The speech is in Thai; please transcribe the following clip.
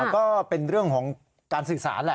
ก็เป็นเรื่องของการสื่อสารแหละ